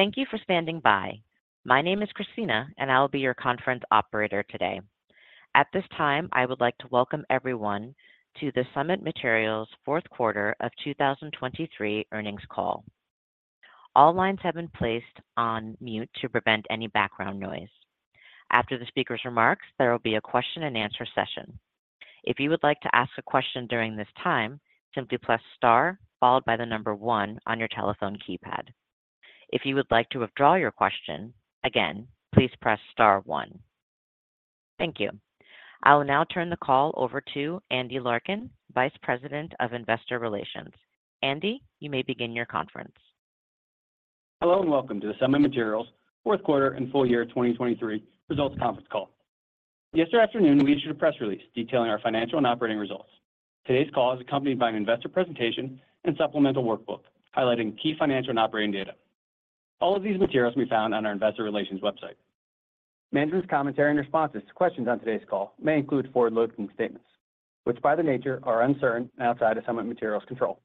Thank you for standing by. My name is Christina, and I'll be your conference operator today. At this time, I would like to welcome everyone to the Summit Materials 4th Quarter of 2023 earnings call. All lines have been placed on mute to prevent any background noise. After the speaker's remarks, there will be a question-and-answer session. If you would like to ask a question during this time, simply press * followed by the number 1 on your telephone keypad. If you would like to withdraw your question, again, please press * 1. Thank you. I will now turn the call over to Andy Larkin, Vice President of Investor Relations. Andy, you may begin your conference. Hello and welcome to the Summit Materials 4th Quarter and Full Year 2023 Results Conference Call. Yesterday afternoon, we issued a press release detailing our financial and operating results. Today's call is accompanied by an investor presentation and supplemental workbook highlighting key financial and operating data. All of these materials can be found on our Investor Relations website. Management's commentary and responses to questions on today's call may include forward-looking statements, which by their nature are uncertain and outside of Summit Materials' control.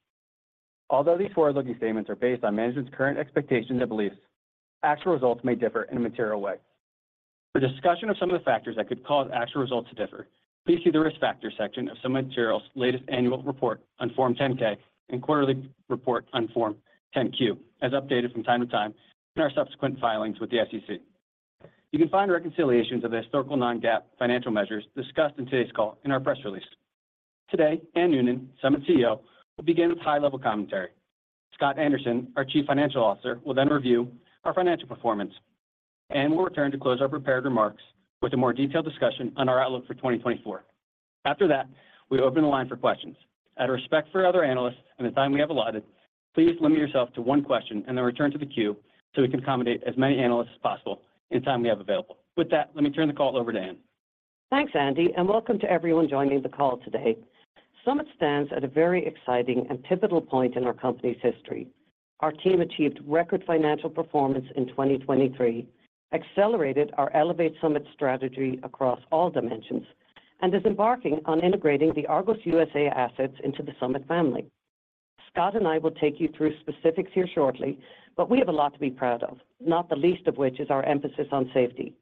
Although these forward-looking statements are based on management's current expectations and beliefs, actual results may differ in a material way. For discussion of some of the factors that could cause actual results to differ, please see the risk factors section of Summit Materials' latest annual report on Form 10-K and quarterly report on Form 10-Q as updated from time to time in our subsequent filings with the SEC. You can find reconciliations of the historical non-GAAP financial measures discussed in today's call in our press release. Today, Anne Noonan, Summit CEO, will begin with high-level commentary. Scott Anderson, our Chief Financial Officer, will then review our financial performance, and we'll return to close our prepared remarks with a more detailed discussion on our outlook for 2024. After that, we open the line for questions. Out of respect for other analysts and the time we have allotted, please limit yourself to one question and then return to the queue so we can accommodate as many analysts as possible in time we have available. With that, let me turn the call over to Anne. Thanks, Andy, and welcome to everyone joining the call today. Summit stands at a very exciting and pivotal point in our company's history. Our team achieved record financial performance in 2023, accelerated our Elevate Summit strategy across all dimensions, and is embarking on integrating the Argos USA assets into the Summit family. Scott and I will take you through specifics here shortly, but we have a lot to be proud of, not the least of which is our emphasis on safety.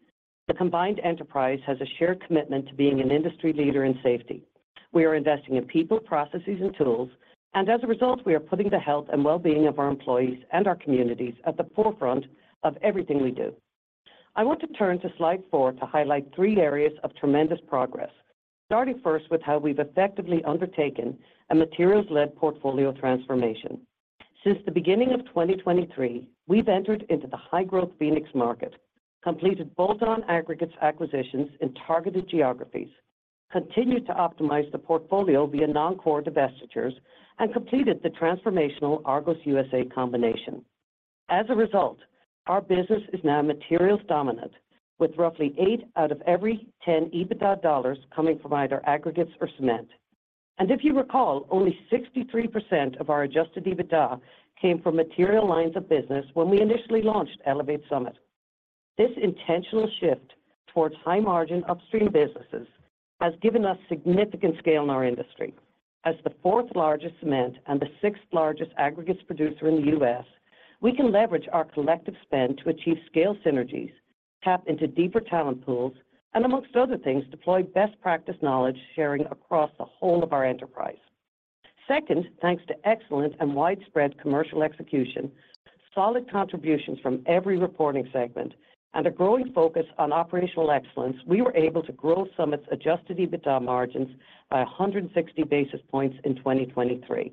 The combined enterprise has a shared commitment to being an industry leader in safety. We are investing in people, processes, and tools, and as a result, we are putting the health and well-being of our employees and our communities at the forefront of everything we do. I want to turn to slide four to highlight three areas of tremendous progress, starting first with how we've effectively undertaken a materials-led portfolio transformation. Since the beginning of 2023, we've entered into the high-growth Phoenix market, completed bolt-on aggregates acquisitions in targeted geographies, continued to optimize the portfolio via non-core divestitures, and completed the transformational Argos USA combination. As a result, our business is now materials dominant, with roughly 8 out of every 10 EBITDA dollars coming from either aggregates or cement. And if you recall, only 63% of our adjusted EBITDA came from material lines of business when we initially launched Elevate Summit. This intentional shift towards high-margin upstream businesses has given us significant scale in our industry. As the fourth-largest cement and the sixth-largest aggregates producer in the U.S., we can leverage our collective spend to achieve scale synergies, tap into deeper talent pools, and amongst other things, deploy best-practice knowledge sharing across the whole of our enterprise. Second, thanks to excellent and widespread commercial execution, solid contributions from every reporting segment, and a growing focus on operational excellence, we were able to grow Summit's adjusted EBITDA margins by 160 basis points in 2023.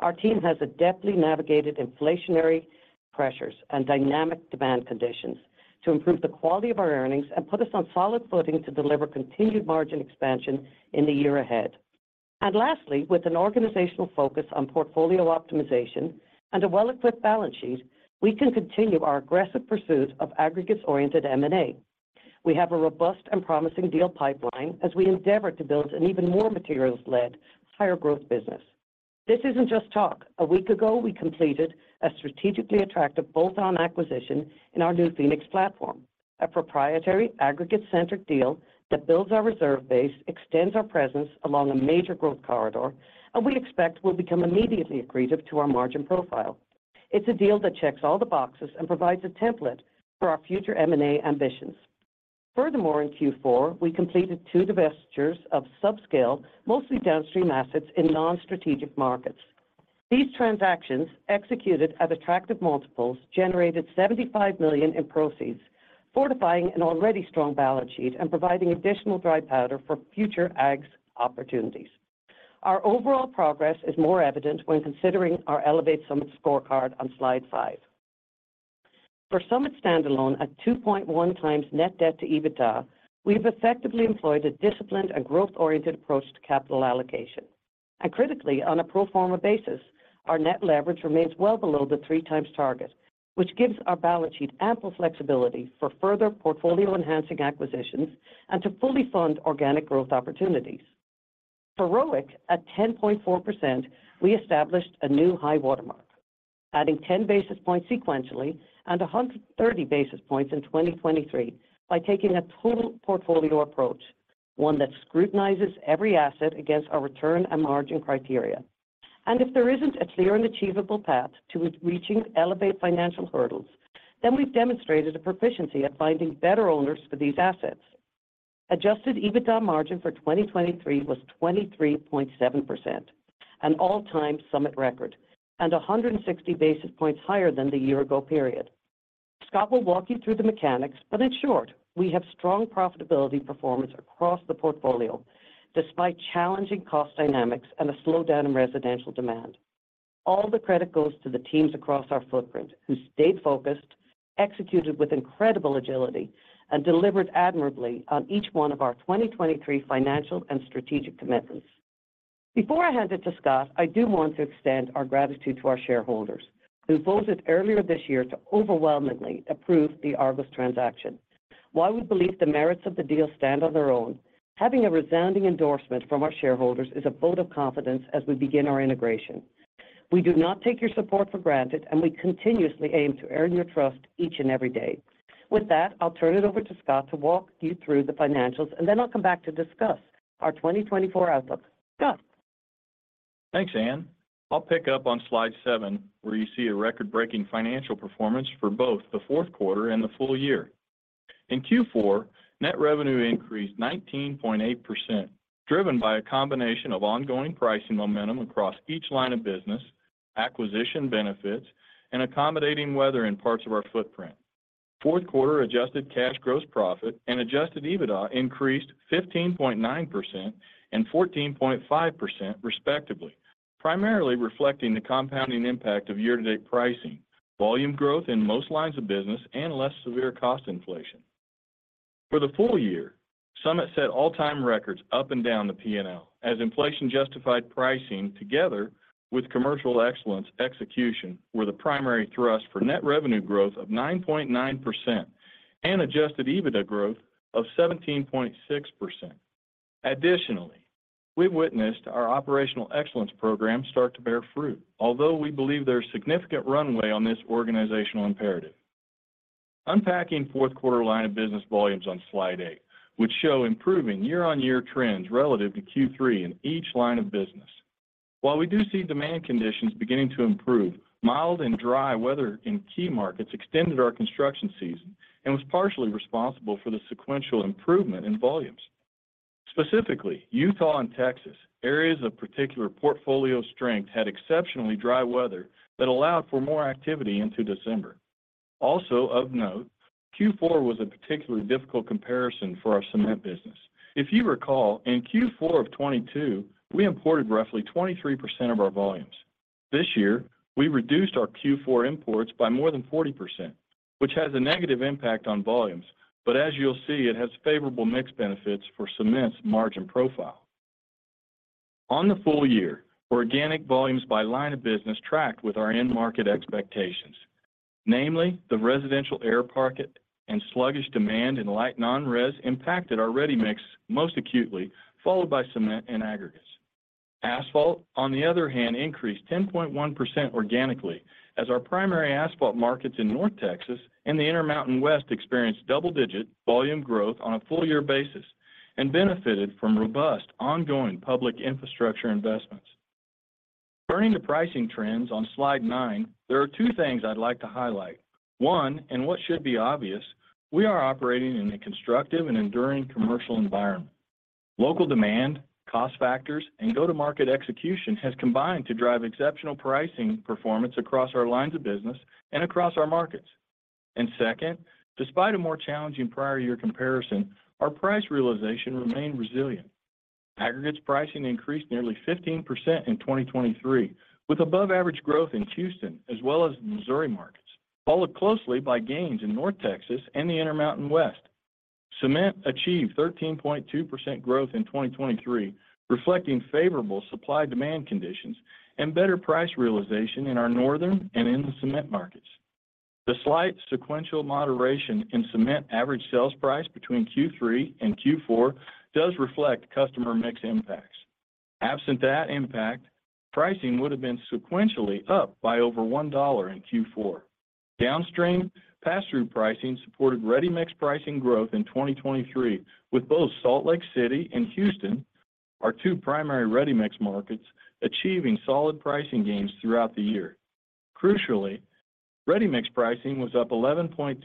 Our team has adeptly navigated inflationary pressures and dynamic demand conditions to improve the quality of our earnings and put us on solid footing to deliver continued margin expansion in the year ahead. And lastly, with an organizational focus on portfolio optimization and a well-equipped balance sheet, we can continue our aggressive pursuit of aggregates-oriented M&A. We have a robust and promising deal pipeline as we endeavor to build an even more materials-led, higher-growth business. This isn't just talk. A week ago, we completed a strategically attractive bolt-on acquisition in our new Phoenix platform, a proprietary aggregate-centric deal that builds our reserve base, extends our presence along a major growth corridor, and we expect will become immediately accretive to our margin profile. It's a deal that checks all the boxes and provides a template for our future M&A ambitions. Furthermore, in Q4, we completed two divestitures of subscale, mostly downstream assets in non-strategic markets. These transactions, executed at attractive multiples, generated $75 million in proceeds, fortifying an already strong balance sheet and providing additional dry powder for future AGS opportunities. Our overall progress is more evident when considering our Elevate Summit scorecard on slide five. For Summit standalone, at 2.1x net debt to EBITDA, we have effectively employed a disciplined and growth-oriented approach to capital allocation. Critically, on a pro forma basis, our net leverage remains well below the 3x target, which gives our balance sheet ample flexibility for further portfolio-enhancing acquisitions and to fully fund organic growth opportunities. For ROIC, at 10.4%, we established a new high watermark, adding 10 basis points sequentially and 130 basis points in 2023 by taking a total portfolio approach, one that scrutinizes every asset against our return and margin criteria. And if there isn't a clear and achievable path to reaching Elevate financial hurdles, then we've demonstrated a proficiency at finding better owners for these assets. Adjusted EBITDA margin for 2023 was 23.7%, an all-time Summit record, and 160 basis points higher than the year-ago period. Scott will walk you through the mechanics, but in short, we have strong profitability performance across the portfolio despite challenging cost dynamics and a slowdown in residential demand. All the credit goes to the teams across our footprint who stayed focused, executed with incredible agility, and delivered admirably on each one of our 2023 financial and strategic commitments. Before I hand it to Scott, I do want to extend our gratitude to our shareholders, who voted earlier this year to overwhelmingly approve the Argos transaction. While we believe the merits of the deal stand on their own, having a resounding endorsement from our shareholders is a vote of confidence as we begin our integration. We do not take your support for granted, and we continuously aim to earn your trust each and every day. With that, I'll turn it over to Scott to walk you through the financials, and then I'll come back to discuss our 2024 outlook. Scott. Thanks, Anne. I'll pick up on slide seven, where you see a record-breaking financial performance for both the fourth quarter and the full year. In Q4, net revenue increased 19.8%, driven by a combination of ongoing pricing momentum across each line of business, acquisition benefits, and accommodating weather in parts of our footprint. Fourth quarter, Adjusted Cash Gross Profit and Adjusted EBITDA increased 15.9% and 14.5%, respectively, primarily reflecting the compounding impact of year-to-date pricing, volume growth in most lines of business, and less severe cost inflation. For the full year, Summit set all-time records up and down the P&L, as inflation-justified pricing, together with commercial excellence execution, were the primary thrust for net revenue growth of 9.9% and Adjusted EBITDA growth of 17.6%. Additionally, we've witnessed our operational excellence program start to bear fruit, although we believe there's significant runway on this organizational imperative. Unpacking fourth quarter line of business volumes on slide eight, which show improving year-on-year trends relative to Q3 in each line of business. While we do see demand conditions beginning to improve, mild and dry weather in key markets extended our construction season and was partially responsible for the sequential improvement in volumes. Specifically, Utah and Texas, areas of particular portfolio strength, had exceptionally dry weather that allowed for more activity into December. Also of note, Q4 was a particularly difficult comparison for our cement business. If you recall, in Q4 of 2022, we imported roughly 23% of our volumes. This year, we reduced our Q4 imports by more than 40%, which has a negative impact on volumes, but as you'll see, it has favorable mixed benefits for cement's margin profile. On the full year, organic volumes by line of business tracked with our end-market expectations, namely the residential end market and sluggish demand in Light Non-Res impacted our ready-mix most acutely, followed by cement and aggregates. Asphalt, on the other hand, increased 10.1% organically, as our primary asphalt markets in North Texas and the Intermountain West experienced double-digit volume growth on a full-year basis and benefited from robust ongoing public infrastructure investments. Turning to pricing trends on slide nine, there are two things I'd like to highlight. One, and what should be obvious, we are operating in a constructive and enduring commercial environment. Local demand, cost factors, and go-to-market execution have combined to drive exceptional pricing performance across our lines of business and across our markets. Second, despite a more challenging prior-year comparison, our price realization remained resilient. Aggregates pricing increased nearly 15% in 2023, with above-average growth in Houston as well as the Missouri markets, followed closely by gains in North Texas and the Intermountain West. Cement achieved 13.2% growth in 2023, reflecting favorable supply-demand conditions and better price realization in our northern and in the cement markets. The slight sequential moderation in cement average sales price between Q3 and Q4 does reflect customer mix impacts. Absent that impact, pricing would have been sequentially up by over $1 in Q4. Downstream, pass-through pricing supported ready mix pricing growth in 2023, with both Salt Lake City and Houston, our two primary ready mix markets, achieving solid pricing gains throughout the year. Crucially, ready mix pricing was up 11.2% in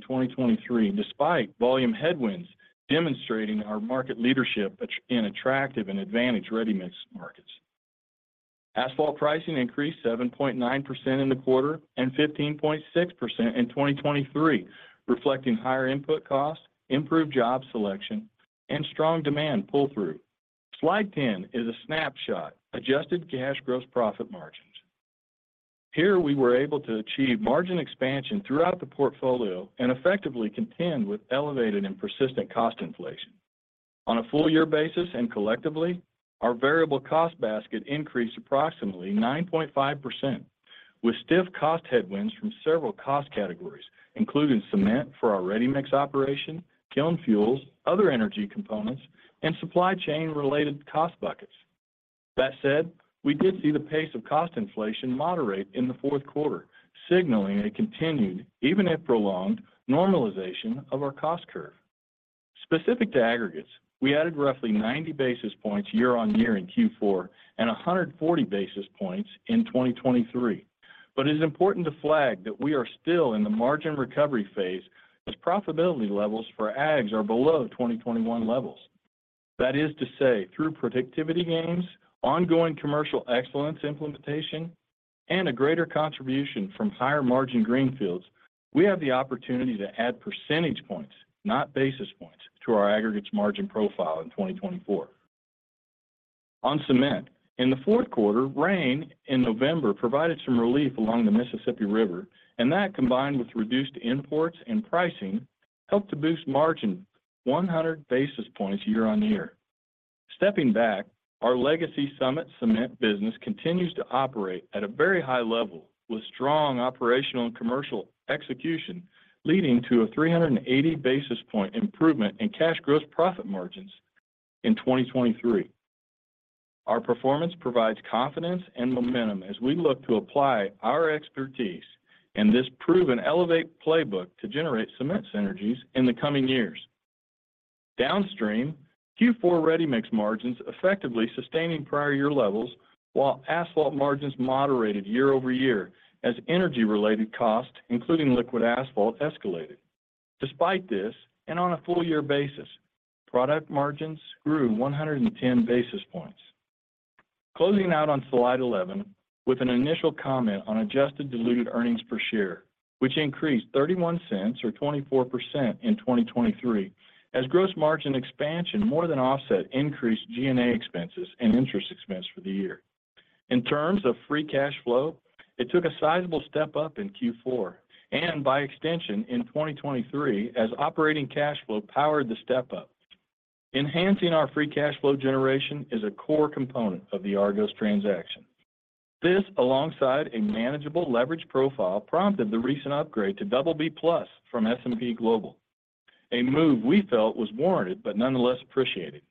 2023 despite volume headwinds demonstrating our market leadership in attractive and advantaged ready mix markets. Asphalt pricing increased 7.9% in the quarter and 15.6% in 2023, reflecting higher input costs, improved job selection, and strong demand pull-through. Slide 10 is a snapshot of adjusted cash gross profit margins. Here, we were able to achieve margin expansion throughout the portfolio and effectively contend with elevated and persistent cost inflation. On a full-year basis and collectively, our variable cost basket increased approximately 9.5%, with stiff cost headwinds from several cost categories, including cement for our ready mix operation, kiln fuels, other energy components, and supply chain-related cost buckets. That said, we did see the pace of cost inflation moderate in the fourth quarter, signaling a continued, even if prolonged, normalization of our cost curve. Specific to aggregates, we added roughly 90 basis points year-on-year in Q4 and 140 basis points in 2023, but it is important to flag that we are still in the margin recovery phase as profitability levels for AGS are below 2021 levels. That is to say, through productivity gains, ongoing commercial excellence implementation, and a greater contribution from higher-margin greenfields, we have the opportunity to add percentage points, not basis points, to our aggregates margin profile in 2024. On cement, in the fourth quarter, rain in November provided some relief along the Mississippi River, and that, combined with reduced imports and pricing, helped to boost margin 100 basis points year-on-year. Stepping back, our legacy Summit cement business continues to operate at a very high level with strong operational and commercial execution, leading to a 380 basis point improvement in cash gross profit margins in 2023. Our performance provides confidence and momentum as we look to apply our expertise in this proven Elevate playbook to generate cement synergies in the coming years. Downstream, Q4 ready mix margins effectively sustained prior-year levels while asphalt margins moderated year over year as energy-related costs, including liquid asphalt, escalated. Despite this, and on a full-year basis, product margins grew 110 basis points. Closing out on slide 11 with an initial comment on adjusted diluted earnings per share, which increased $0.31 or 24% in 2023 as gross margin expansion more than offset increased G&A expenses and interest expense for the year. In terms of free cash flow, it took a sizable step up in Q4 and, by extension, in 2023, as operating cash flow powered the step up. Enhancing our free cash flow generation is a core component of the Argos transaction. This, alongside a manageable leverage profile, prompted the recent upgrade to BB Plus from S&P Global, a move we felt was warranted but nonetheless appreciated.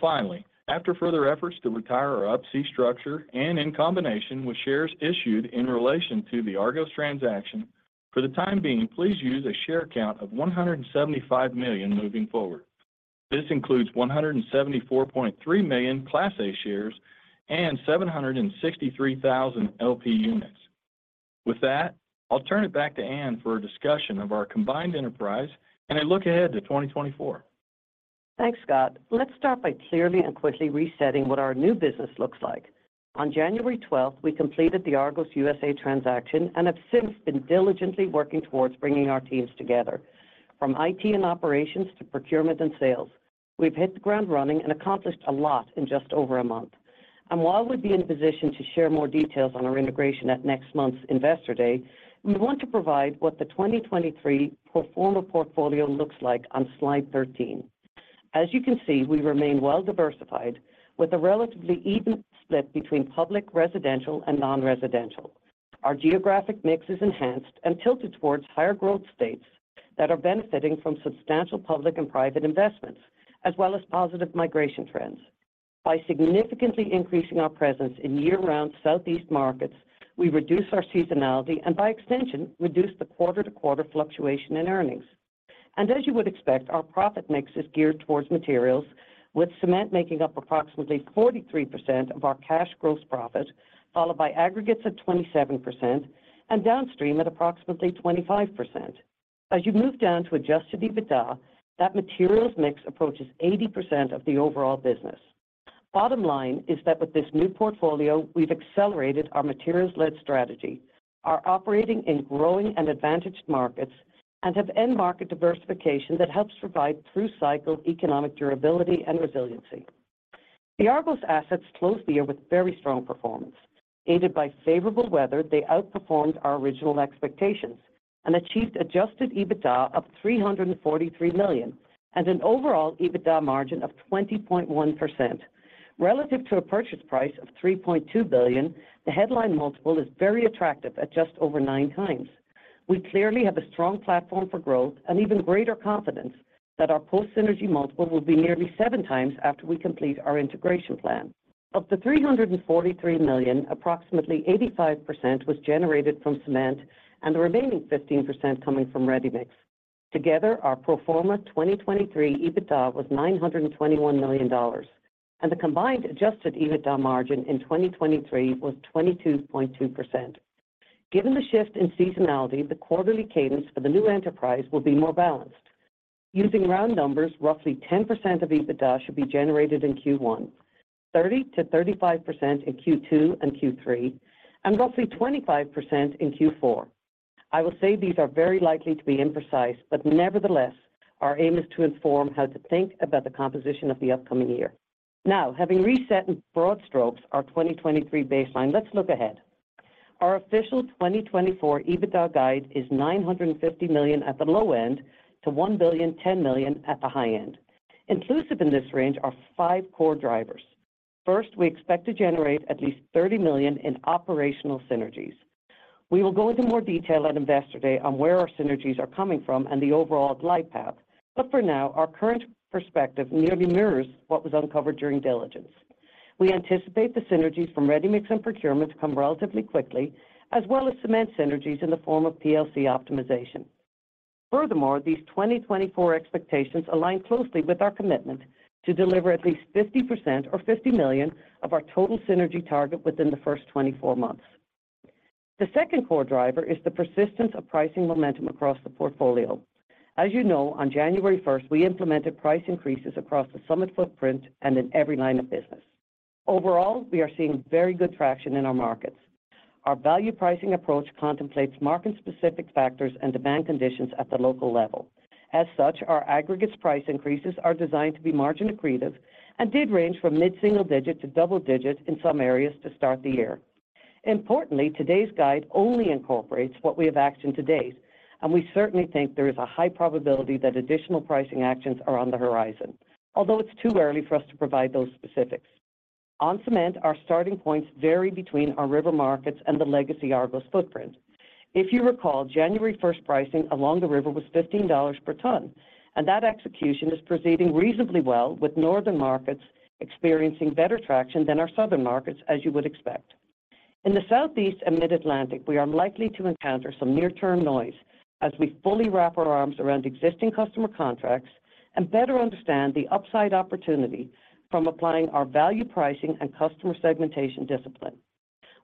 Finally, after further efforts to retire our Up-C structure and in combination with shares issued in relation to the Argos transaction, for the time being, please use a share count of 175 million moving forward. This includes 174.3 million Class A shares and 763,000 LP units. With that, I'll turn it back to Anne for a discussion of our combined enterprise and a look ahead to 2024. Thanks, Scott. Let's start by clearly and quickly resetting what our new business looks like. On January 12th, we completed the Argos USA transaction and have since been diligently working towards bringing our teams together. From IT and operations to procurement and sales, we've hit the ground running and accomplished a lot in just over a month. And while we'd be in position to share more details on our integration at next month's Investor Day, we want to provide what the 2023 pro forma portfolio looks like on slide 13. As you can see, we remain well diversified with a relatively even split between public, residential, and non-residential. Our geographic mix is enhanced and tilted towards higher-growth states that are benefiting from substantial public and private investments, as well as positive migration trends. By significantly increasing our presence in year-round Southeast markets, we reduce our seasonality and, by extension, reduce the quarter-to-quarter fluctuation in earnings. As you would expect, our profit mix is geared towards materials, with cement making up approximately 43% of our cash gross profit, followed by aggregates at 27% and downstream at approximately 25%. As you move down to Adjusted EBITDA, that materials mix approaches 80% of the overall business. Bottom line is that with this new portfolio, we've accelerated our Materials-Led Strategy, are operating in growing and advantaged markets, and have end-market diversification that helps provide through-cycle economic durability and resiliency. The Argos assets closed the year with very strong performance. Aided by favorable weather, they outperformed our original expectations and achieved Adjusted EBITDA of $343 million and an overall EBITDA margin of 20.1%. Relative to a purchase price of $3.2 billion, the headline multiple is very attractive at just over 9x. We clearly have a strong platform for growth and even greater confidence that our post-synergy multiple will be nearly 7x after we complete our integration plan. Of the $343 million, approximately 85% was generated from cement and the remaining 15% coming from ready mix. Together, our pro forma 2023 EBITDA was $921 million, and the combined adjusted EBITDA margin in 2023 was 22.2%. Given the shift in seasonality, the quarterly cadence for the new enterprise will be more balanced. Using round numbers, roughly 10% of EBITDA should be generated in Q1, 30%-35% in Q2 and Q3, and roughly 25% in Q4. I will say these are very likely to be imprecise, but nevertheless, our aim is to inform how to think about the composition of the upcoming year. Now, having reset in broad strokes our 2023 baseline, let's look ahead. Our official 2024 EBITDA guide is $950 million at the low end to $1.01 billion at the high end. Inclusive in this range are five core drivers. First, we expect to generate at least $30 million in operational synergies. We will go into more detail at Investor Day on where our synergies are coming from and the overall glide path, but for now, our current perspective nearly mirrors what was uncovered during diligence. We anticipate the synergies from ready mix and procurement to come relatively quickly, as well as cement synergies in the form of PLC optimization. Furthermore, these 2024 expectations align closely with our commitment to deliver at least 50% or $50 million of our total synergy target within the first 24 months. The second core driver is the persistence of pricing momentum across the portfolio. As you know, on January 1st, we implemented price increases across the Summit footprint and in every line of business. Overall, we are seeing very good traction in our markets. Our value pricing approach contemplates market-specific factors and demand conditions at the local level. As such, our aggregates price increases are designed to be margin accretive and did range from mid-single digit to double digit in some areas to start the year. Importantly, today's guide only incorporates what we have actioned to date, and we certainly think there is a high probability that additional pricing actions are on the horizon, although it's too early for us to provide those specifics. On cement, our starting points vary between our river markets and the legacy Argos footprint. If you recall, January 1st pricing along the river was $15 per ton, and that execution is proceeding reasonably well, with northern markets experiencing better traction than our southern markets, as you would expect. In the Southeast and Mid-Atlantic, we are likely to encounter some near-term noise as we fully wrap our arms around existing customer contracts and better understand the upside opportunity from applying our value pricing and customer segmentation discipline.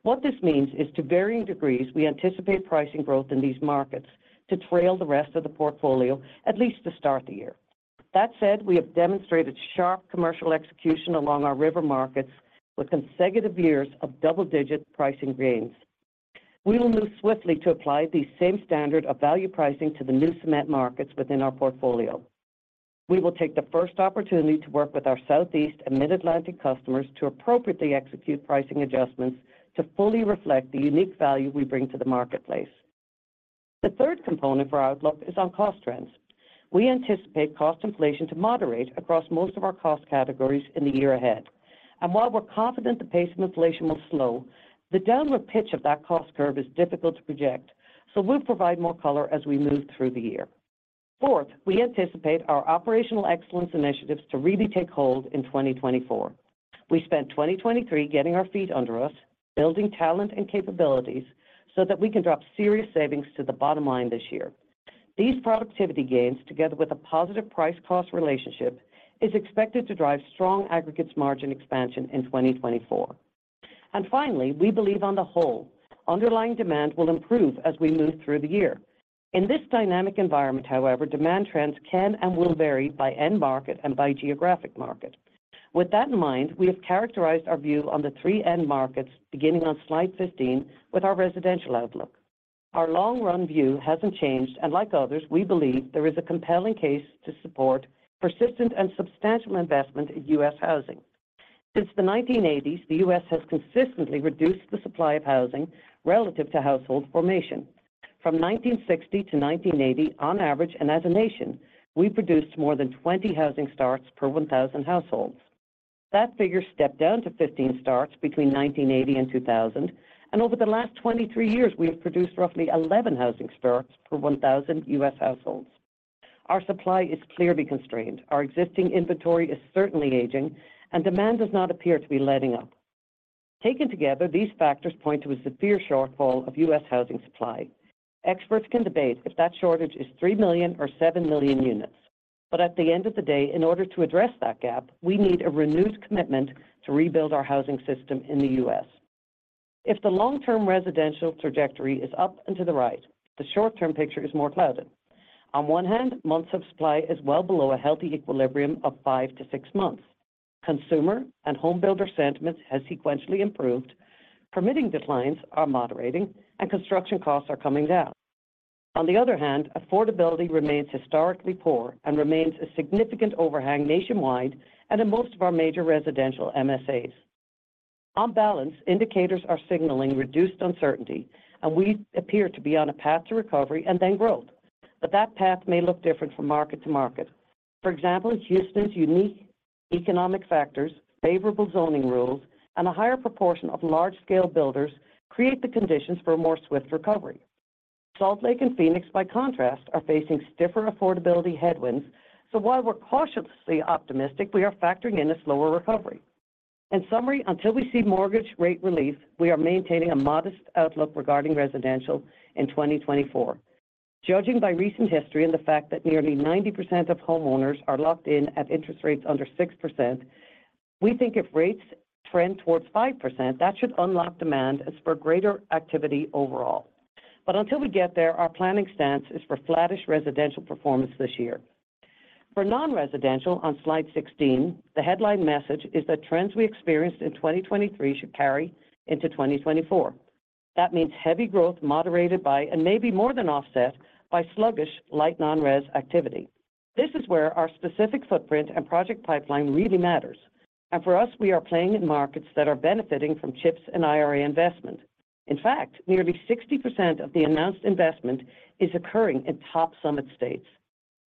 What this means is, to varying degrees, we anticipate pricing growth in these markets to trail the rest of the portfolio, at least to start the year. That said, we have demonstrated sharp commercial execution along our river markets with consecutive years of double-digit pricing gains. We will move swiftly to apply the same standard of value pricing to the new cement markets within our portfolio. We will take the first opportunity to work with our Southeast and Mid-Atlantic customers to appropriately execute pricing adjustments to fully reflect the unique value we bring to the marketplace. The third component for our outlook is on cost trends. We anticipate cost inflation to moderate across most of our cost categories in the year ahead. And while we're confident the pace of inflation will slow, the downward pitch of that cost curve is difficult to project, so we'll provide more color as we move through the year. Fourth, we anticipate our operational excellence initiatives to really take hold in 2024. We spent 2023 getting our feet under us, building talent and capabilities so that we can drop serious savings to the bottom line this year. These productivity gains, together with a positive price-cost relationship, are expected to drive strong aggregates margin expansion in 2024. And finally, we believe on the whole, underlying demand will improve as we move through the year. In this dynamic environment, however, demand trends can and will vary by end market and by geographic market. With that in mind, we have characterized our view on the three end markets, beginning on slide 15, with our residential outlook. Our long-run view hasn't changed, and like others, we believe there is a compelling case to support persistent and substantial investment in U.S. housing. Since the 1980s, the U.S. has consistently reduced the supply of housing relative to household formation. From 1960 to 1980, on average and as a nation, we produced more than 20 housing starts per 1,000 households. That figure stepped down to 15 starts between 1980 and 2000, and over the last 23 years, we have produced roughly 11 housing starts per 1,000 U.S. households. Our supply is clearly constrained. Our existing inventory is certainly aging, and demand does not appear to be letting up. Taken together, these factors point to a severe shortfall of U.S. housing supply. Experts can debate if that shortage is 3 million or 7 million units, but at the end of the day, in order to address that gap, we need a renewed commitment to rebuild our housing system in the U.S. If the long-term residential trajectory is up and to the right, the short-term picture is more clouded. On one hand, months of supply is well below a healthy equilibrium of 5-6 months. Consumer and homebuilder sentiment has sequentially improved, permitting declines are moderating, and construction costs are coming down. On the other hand, affordability remains historically poor and remains a significant overhang nationwide and in most of our major residential MSAs. On balance, indicators are signaling reduced uncertainty, and we appear to be on a path to recovery and then growth, but that path may look different from market to market. For example, Houston's unique economic factors, favorable zoning rules, and a higher proportion of large-scale builders create the conditions for a more swift recovery. Salt Lake and Phoenix, by contrast, are facing stiffer affordability headwinds, so while we're cautiously optimistic, we are factoring in a slower recovery. In summary, until we see mortgage rate relief, we are maintaining a modest outlook regarding residential in 2024. Judging by recent history and the fact that nearly 90% of homeowners are locked in at interest rates under 6%, we think if rates trend towards 5%, that should unlock demand and spur greater activity overall. But until we get there, our planning stance is for flat-ish residential performance this year. For non-residential, on slide 16, the headline message is that trends we experienced in 2023 should carry into 2024. That means heavy growth moderated by and maybe more than offset by sluggish, light non-res activity. This is where our specific footprint and project pipeline really matters. And for us, we are playing in markets that are benefiting from CHIPS and IRA investment. In fact, nearly 60% of the announced investment is occurring in top Summit states.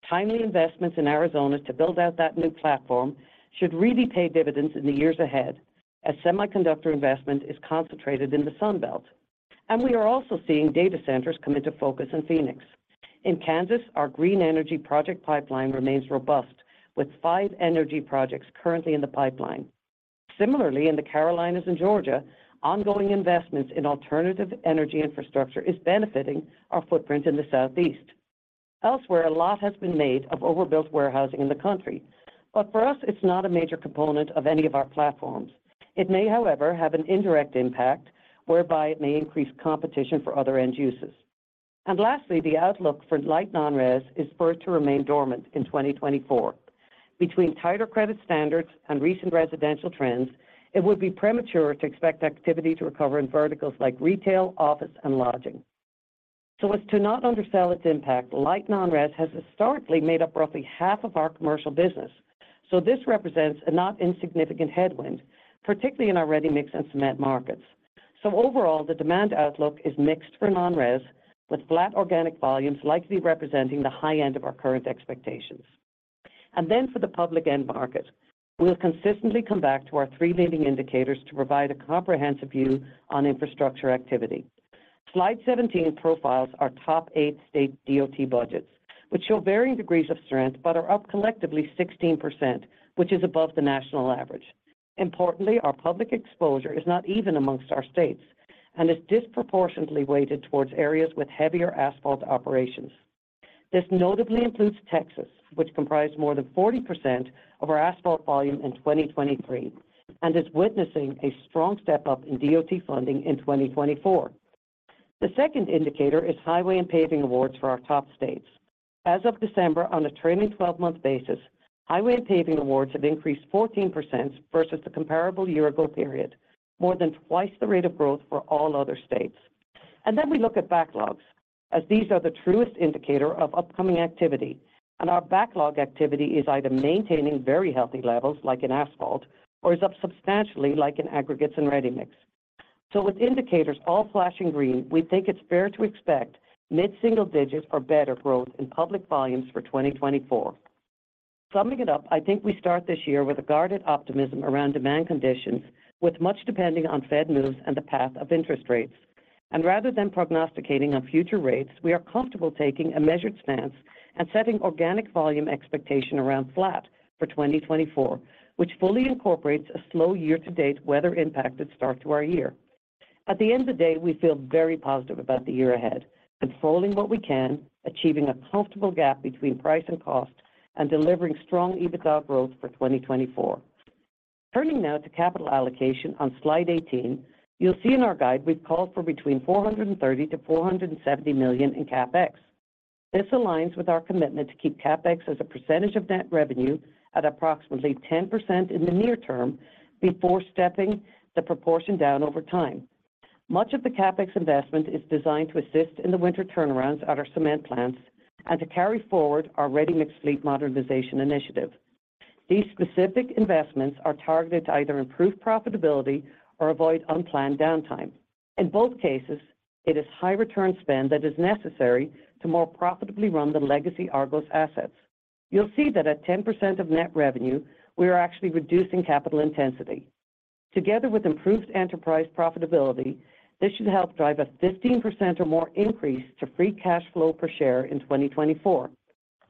Timely investments in Arizona to build out that new platform should really pay dividends in the years ahead, as semiconductor investment is concentrated in the Sunbelt. And we are also seeing data centers come into focus in Phoenix. In Kansas, our green energy project pipeline remains robust, with five energy projects currently in the pipeline. Similarly, in the Carolinas and Georgia, ongoing investments in alternative energy infrastructure are benefiting our footprint in the Southeast. Elsewhere, a lot has been made of overbuilt warehousing in the country, but for us, it's not a major component of any of our platforms. It may, however, have an indirect impact whereby it may increase competition for other end uses. Lastly, the outlook for light non-res is spurred to remain dormant in 2024. Between tighter credit standards and recent residential trends, it would be premature to expect activity to recover in verticals like retail, office, and lodging. So as to not undersell its impact, light non-res has historically made up roughly half of our commercial business, so this represents a not-insignificant headwind, particularly in our ready-mix and cement markets. So overall, the demand outlook is mixed for non-res, with flat organic volumes likely representing the high end of our current expectations. Then for the public end market, we'll consistently come back to our three leading indicators to provide a comprehensive view on infrastructure activity. Slide 17 profiles our top eight state DOT budgets, which show varying degrees of strength but are up collectively 16%, which is above the national average. Importantly, our public exposure is not even among our states and is disproportionately weighted toward areas with heavier asphalt operations. This notably includes Texas, which comprised more than 40% of our asphalt volume in 2023 and is witnessing a strong step up in DOT funding in 2024. The second indicator is highway and paving awards for our top states. As of December, on a trailing 12-month basis, highway and paving awards have increased 14% versus the comparable year-ago period, more than twice the rate of growth for all other states. Then we look at backlogs, as these are the truest indicator of upcoming activity, and our backlog activity is either maintaining very healthy levels like in asphalt or is up substantially like in aggregates and ready mix. So with indicators all flashing green, we think it's fair to expect mid-single digit or better growth in public volumes for 2024. Summing it up, I think we start this year with a guarded optimism around demand conditions, with much depending on Fed moves and the path of interest rates. Rather than prognosticating on future rates, we are comfortable taking a measured stance and setting organic volume expectation around flat for 2024, which fully incorporates a slow year-to-date weather-impacted start to our year. At the end of the day, we feel very positive about the year ahead, controlling what we can, achieving a comfortable gap between price and cost, and delivering strong EBITDA growth for 2024. Turning now to capital allocation on slide 18, you'll see in our guide we've called for between $430 million-$470 million in CapEx. This aligns with our commitment to keep CapEx as a percentage of net revenue at approximately 10% in the near term before stepping the proportion down over time. Much of the CapEx investment is designed to assist in the winter turnarounds at our cement plants and to carry forward our ready mix fleet modernization initiative. These specific investments are targeted to either improve profitability or avoid unplanned downtime. In both cases, it is high-return spend that is necessary to more profitably run the legacy Argos assets. You'll see that at 10% of net revenue, we are actually reducing capital intensity. Together with improved enterprise profitability, this should help drive a 15% or more increase to free cash flow per share in 2024.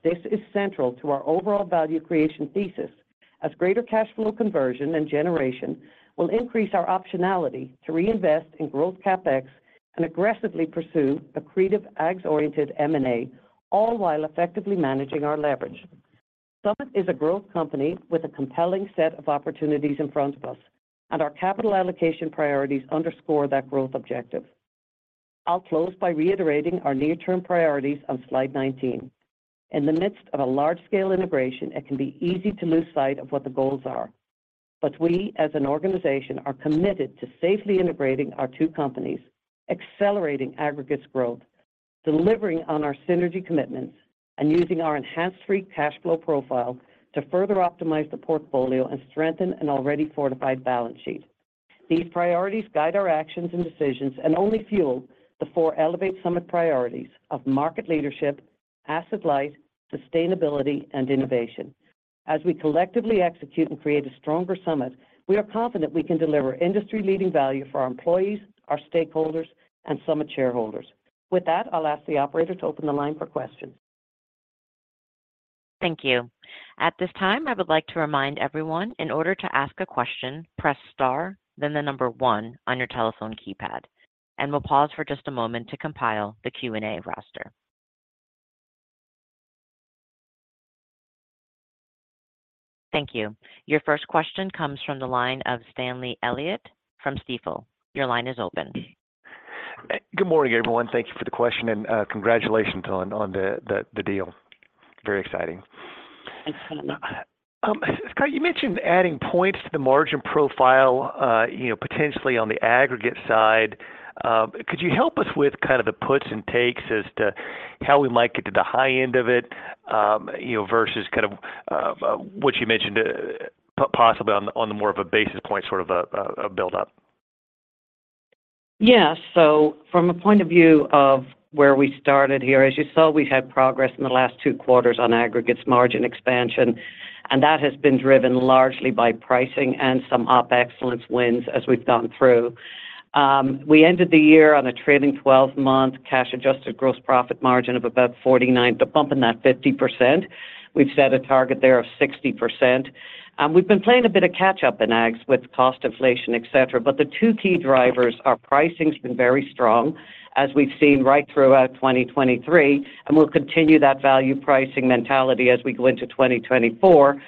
This is central to our overall value creation thesis, as greater cash flow conversion and generation will increase our optionality to reinvest in growth CapEx and aggressively pursue accretive AGS-oriented M&A, all while effectively managing our leverage. Summit is a growth company with a compelling set of opportunities in front of us, and our capital allocation priorities underscore that growth objective. I'll close by reiterating our near-term priorities on slide 19. In the midst of a large-scale integration, it can be easy to lose sight of what the goals are. But we, as an organization, are committed to safely integrating our two companies, accelerating aggregates growth, delivering on our synergy commitments, and using our enhanced free cash flow profile to further optimize the portfolio and strengthen an already fortified balance sheet. These priorities guide our actions and decisions and only fuel the four Elevate Summit priorities of market leadership, asset light, sustainability, and innovation. As we collectively execute and create a stronger Summit, we are confident we can deliver industry-leading value for our employees, our stakeholders, and Summit shareholders. With that, I'll ask the operator to open the line for questions. Thank you. At this time, I would like to remind everyone, in order to ask a question, press star, then the number one on your telephone keypad, and we'll pause for just a moment to compile the Q&A roster. Thank you. Your first question comes from the line of Stanley Elliott from Stifel. Your line is open. Good morning, everyone. Thank you for the question, and congratulations on the deal. Very exciting. Thanks, Stanley. Scott, you mentioned adding points to the margin profile, potentially on the aggregate side. Could you help us with kind of the puts and takes as to how we might get to the high end of it versus kind of what you mentioned, possibly on the more of a basis point sort of a buildup? Yes. So from a point of view of where we started here, as you saw, we've had progress in the last two quarters on aggregates margin expansion, and that has been driven largely by pricing and some op excellence wins as we've gone through. We ended the year on a trailing 12-month cash-adjusted gross profit margin of about 49%, bumping that 50%. We've set a target there of 60%. And we've been playing a bit of catch-up in AGS with cost inflation, etc., but the two key drivers are pricing has been very strong as we've seen right throughout 2023, and we'll continue that value pricing mentality as we go into 2024.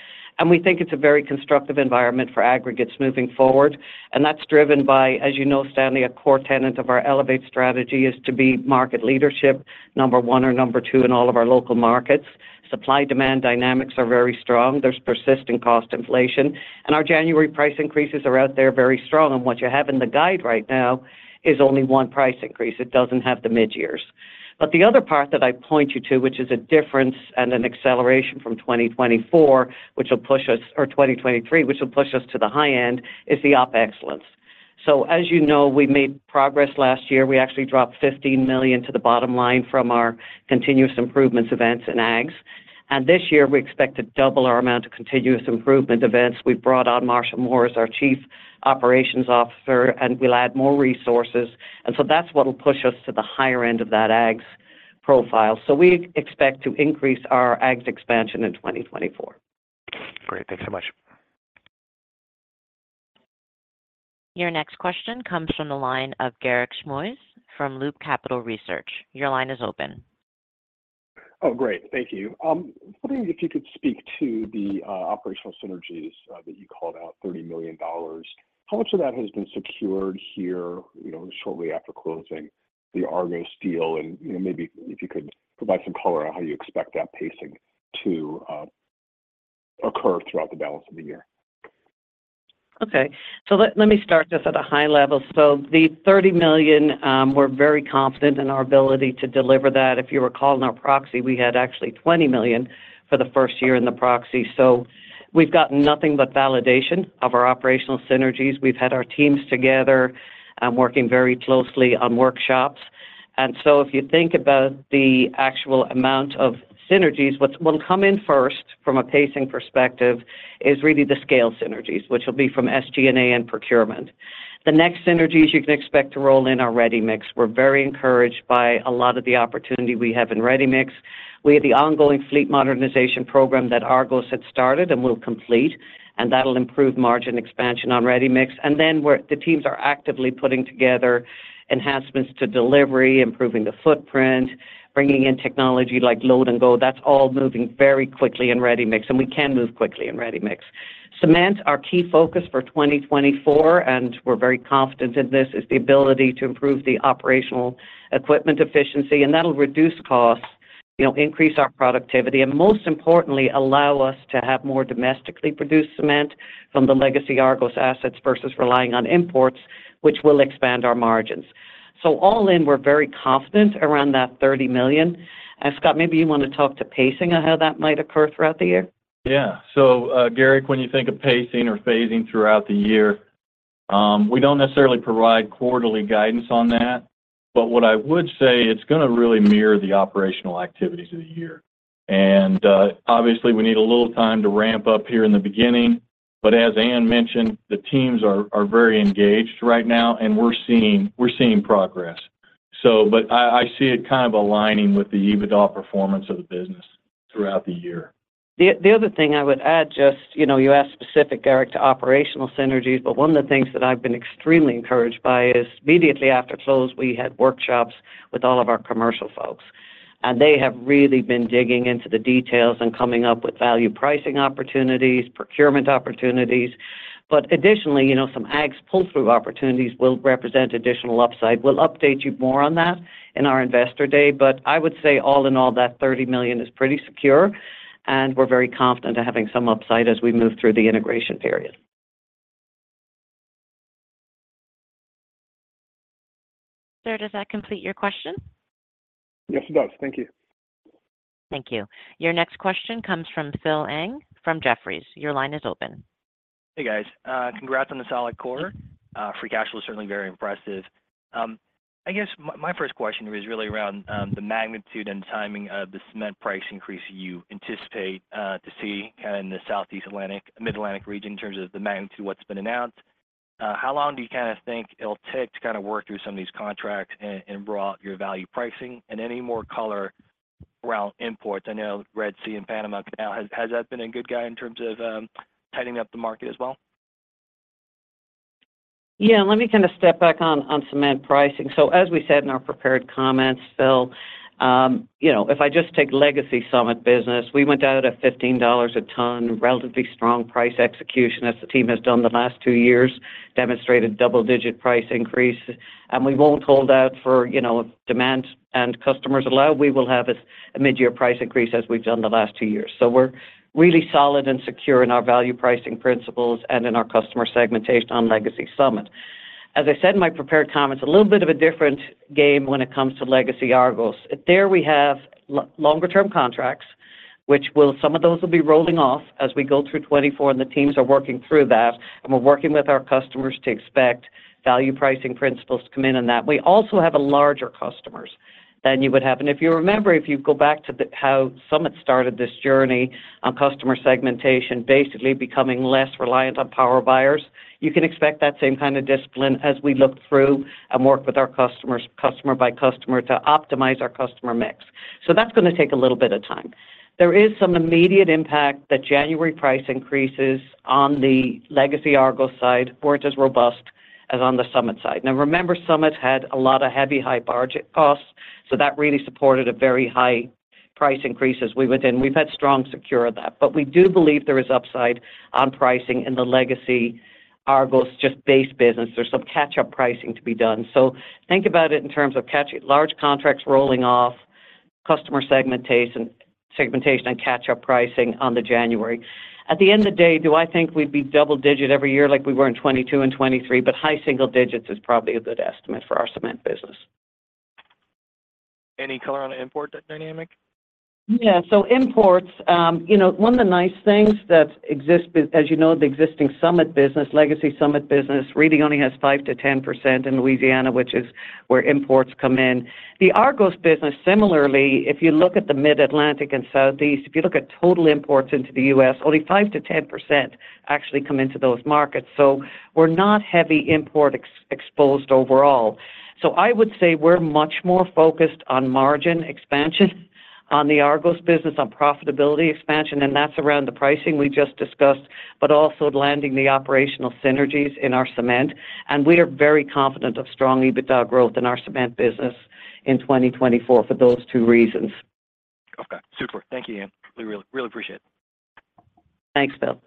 We think it's a very constructive environment for aggregates moving forward, and that's driven by, as you know, Stanley, a core tenet of our Elevate strategy is to be market leadership, number one or number two in all of our local markets. Supply-demand dynamics are very strong. There's persistent cost inflation, and our January price increases are out there very strong, and what you have in the guide right now is only one price increase. It doesn't have the mid-years. But the other part that I point you to, which is a difference and an acceleration from 2024 or 2023, which will push us to the high end, is the OpEx. So as you know, we made progress last year. We actually dropped $15 million to the bottom line from our continuous improvement events in ags. This year, we expect to double our amount of Continuous Improvement Events. We've brought on Marshall Moore as our Chief Operations Officer, and we'll add more resources. That's what will push us to the higher end of that ags profile. We expect to increase our ags expansion in 2024. Great. Thanks so much. Your next question comes from the line of Garik Shmois from Loop Capital Research. Your line is open. Oh, great. Thank you. If you could speak to the operational synergies that you called out, $30 million, how much of that has been secured here shortly after closing the Argos deal? And maybe if you could provide some color on how you expect that pacing to occur throughout the balance of the year. Okay. So let me start just at a high level. So the $30 million, we're very confident in our ability to deliver that. If you recall in our proxy, we had actually $20 million for the first year in the proxy. So we've gotten nothing but validation of our operational synergies. We've had our teams together working very closely on workshops. And so if you think about the actual amount of synergies, what will come in first from a pacing perspective is really the scale synergies, which will be from SG&A and procurement. The next synergies you can expect to roll in are ready mix. We're very encouraged by a lot of the opportunity we have in ready mix. We have the ongoing fleet modernization program that Argos had started and will complete, and that'll improve margin expansion on ready mix. Then the teams are actively putting together enhancements to delivery, improving the footprint, bringing in technology like Load and Go. That's all moving very quickly in ready mix, and we can move quickly in ready mix. Cement, our key focus for 2024, and we're very confident in this, is the ability to improve the operational equipment efficiency, and that'll reduce costs, increase our productivity, and most importantly, allow us to have more domestically produced cement from the legacy Argos assets versus relying on imports, which will expand our margins. So all in, we're very confident around that $30 million. Scott, maybe you want to talk to pacing on how that might occur throughout the year? Yeah. So Garrick, when you think of pacing or phasing throughout the year, we don't necessarily provide quarterly guidance on that, but what I would say, it's going to really mirror the operational activities of the year. And obviously, we need a little time to ramp up here in the beginning, but as Anne mentioned, the teams are very engaged right now, and we're seeing progress. But I see it kind of aligning with the EBITDA performance of the business throughout the year. The other thing I would add, just you asked specifically, Garrick, to operational synergies, but one of the things that I've been extremely encouraged by is immediately after close, we had workshops with all of our commercial folks, and they have really been digging into the details and coming up with value pricing opportunities, procurement opportunities. But additionally, some ags pull-through opportunities will represent additional upside. We'll update you more on that in our investor day, but I would say all in all, that $30 million is pretty secure, and we're very confident in having some upside as we move through the integration period. Sir, does that complete your question? Yes, it does. Thank you. Thank you. Your next question comes from Phil Ng from Jefferies. Your line is open. Hey, guys. Congrats on the solid core. Free cash flow is certainly very impressive. I guess my first question was really around the magnitude and timing of the cement price increase you anticipate to see kind of in the Southeast Atlantic, Mid-Atlantic region in terms of the magnitude of what's been announced. How long do you kind of think it'll take to kind of work through some of these contracts and bring to your value pricing? And any more color around imports? I know Red Sea and Panama Canal. Has that been a tailwind in terms of tightening up the market as well? Yeah. Let me kind of step back on cement pricing. So as we said in our prepared comments, Phil, if I just take legacy Summit business, we went out at $15 a ton, relatively strong price execution as the team has done the last two years, demonstrated double-digit price increase. And we won't hold out for if demand and customers allow. We will have a mid-year price increase as we've done the last two years. So we're really solid and secure in our value pricing principles and in our customer segmentation on legacy Summit. As I said in my prepared comments, a little bit of a different game when it comes to legacy Argos. There we have longer-term contracts, which some of those will be rolling off as we go through 2024, and the teams are working through that, and we're working with our customers to expect value pricing principles to come in on that. We also have larger customers than you would have. And if you remember, if you go back to how Summit started this journey on customer segmentation, basically becoming less reliant on power buyers, you can expect that same kind of discipline as we look through and work with our customers customer by customer to optimize our customer mix. So that's going to take a little bit of time. There is some immediate impact that January price increases on the legacy Argos side where it is as robust as on the Summit side. Now, remember, Summit had a lot of heavy high-budget costs, so that really supported a very high price increase as we went in. We've had strong secure of that. But we do believe there is upside on pricing in the legacy Argos just base business. There's some catch-up pricing to be done. So think about it in terms of large contracts rolling off, customer segmentation and catch-up pricing on the January. At the end of the day, do I think we'd be double-digit every year like we were in 2022 and 2023? But high single digits is probably a good estimate for our cement business. Any color on the import dynamic? Yeah. So imports, one of the nice things that exists, as you know, the existing Summit business, legacy Summit business, really only has 5%-10% in Louisiana, which is where imports come in. The Argos business, similarly, if you look at the Mid-Atlantic and Southeast, if you look at total imports into the U.S., only 5%-10% actually come into those markets. So we're not heavy import exposed overall. So I would say we're much more focused on margin expansion on the Argos business, on profitability expansion, and that's around the pricing we just discussed, but also landing the operational synergies in our cement. And we are very confident of strong EBITDA growth in our cement business in 2024 for those two reasons. Okay. Super. Thank you, Anne. We really appreciate it. Thanks, Phil.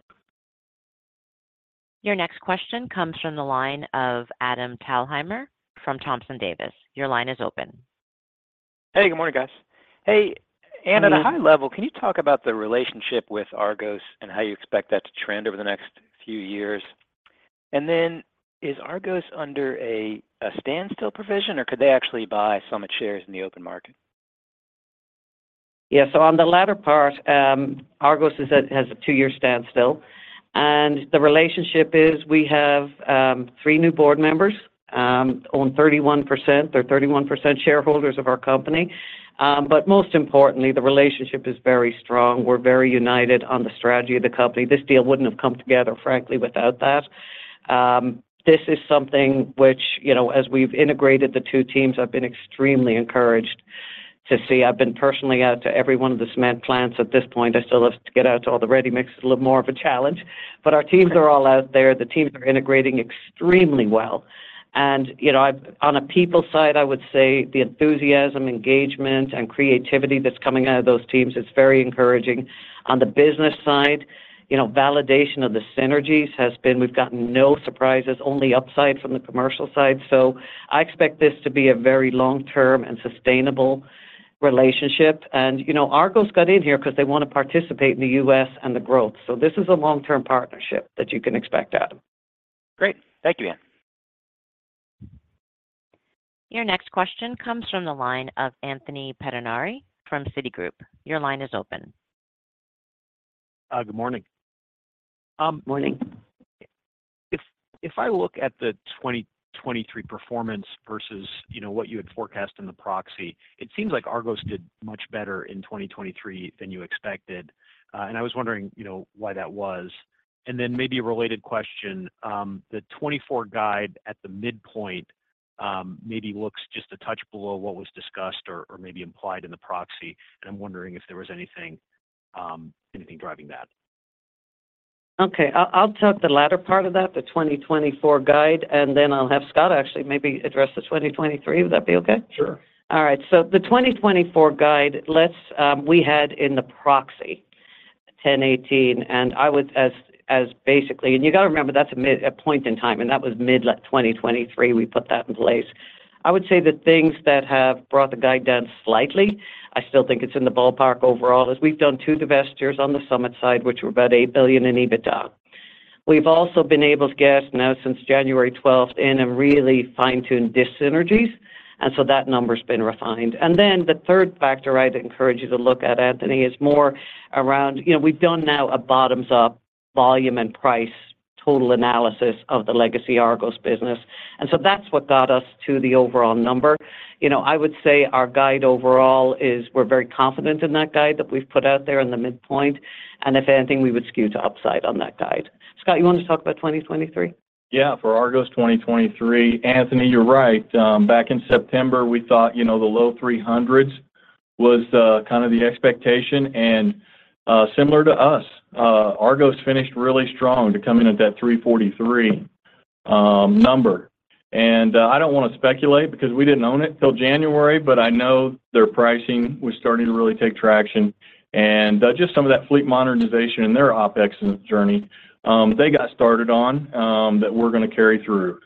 Your next question comes from the line of Adam Thalhimer from Thompson Davis. Your line is open. Hey, good morning, guys. Hey, Anne, at a high level, can you talk about the relationship with Argos and how you expect that to trend over the next few years? And then is Argos under a standstill provision, or could they actually buy Summit shares in the open market? Yeah. So on the latter part, Argos has a two-year standstill. And the relationship is we have three new board members own 31%. They're 31% shareholders of our company. But most importantly, the relationship is very strong. We're very united on the strategy of the company. This deal wouldn't have come together, frankly, without that. This is something which, as we've integrated the two teams, I've been extremely encouraged to see. I've been personally out to every one of the cement plants at this point. I still have to get out to all the ready mix. It's a little more of a challenge. But our teams are all out there. The teams are integrating extremely well. And on a people side, I would say the enthusiasm, engagement, and creativity that's coming out of those teams, it's very encouraging. On the business side, validation of the synergies has been. We've gotten no surprises, only upside from the commercial side. I expect this to be a very long-term and sustainable relationship. Argos got in here because they want to participate in the U.S. and the growth. This is a long-term partnership that you can expect, Adam. Great. Thank you, Anne. Your next question comes from the line of Anthony Pettinari from Citigroup. Your line is open. Good morning. Morning. If I look at the 2023 performance versus what you had forecast in the proxy, it seems like Argos did much better in 2023 than you expected. I was wondering why that was. Then maybe a related question, the 2024 guide at the midpoint maybe looks just a touch below what was discussed or maybe implied in the proxy. I'm wondering if there was anything driving that. Okay. I'll talk the latter part of that, the 2024 guide, and then I'll have Scott actually maybe address the 2023. Would that be okay? Sure. All right. So the 2024 guide, we had in the proxy, $1.018 billion, and I would say basically, and you got to remember, that's a point in time, and that was mid-2023 we put that in place. I would say the things that have brought the guide down slightly, I still think it's in the ballpark overall, is we've done two divestitures on the Summit side, which were about $8 billion in EBITDA. We've also been able to assess now since January 12th in and really fine-tune dis-synergies. And so that number's been refined. And then the third factor I'd encourage you to look at, Anthony, is more around we've done now a bottoms-up volume and price total analysis of the legacy Argos business. And so that's what got us to the overall number. I would say our guide overall is we're very confident in that guide that we've put out there in the midpoint. If anything, we would skew to upside on that guide. Scott, you want to talk about 2023? Yeah. For Argos 2023, Anthony, you're right. Back in September, we thought the low 300s was kind of the expectation. And similar to us, Argos finished really strong to come in at that 343 number. And I don't want to speculate because we didn't own it till January, but I know their pricing was starting to really take traction. And just some of that fleet modernization and their OPEX journey, they got started on that we're going to carry through.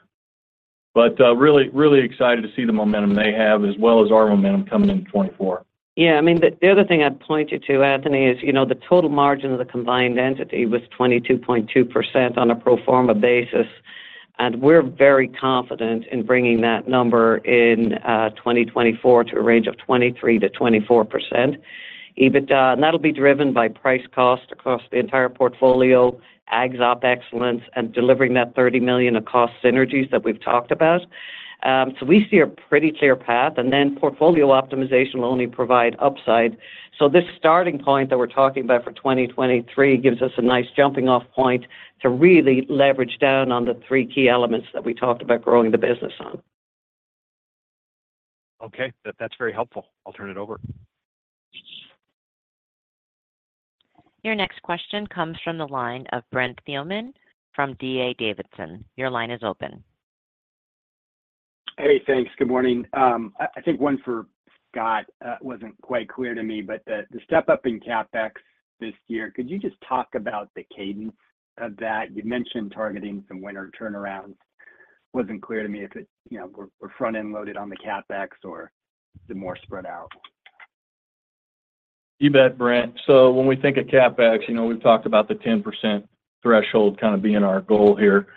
But really excited to see the momentum they have as well as our momentum coming in 2024. Yeah. I mean, the other thing I'd point you to, Anthony, is the total margin of the combined entity was 22.2% on a pro forma basis. We're very confident in bringing that number in 2024 to a range of 23%-24% EBITDA. And that'll be driven by price costs across the entire portfolio, ags OPEX excellence, and delivering that $30 million across synergies that we've talked about. So we see a pretty clear path. Then portfolio optimization will only provide upside. So this starting point that we're talking about for 2023 gives us a nice jumping-off point to really leverage down on the three key elements that we talked about growing the business on. Okay. That's very helpful. I'll turn it over. Your next question comes from the line of Brent Thielman from D. A. Davidson. Your line is open. Hey, thanks. Good morning. I think one for Scott wasn't quite clear to me, but the step-up in CapEx this year, could you just talk about the cadence of that? You mentioned targeting some winter turnarounds. Wasn't clear to me if we're front-end loaded on the CapEx or the more spread out. You bet, Brent. So when we think of CapEx, we've talked about the 10% threshold kind of being our goal here